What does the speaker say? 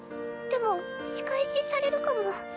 でも仕返しされるかも。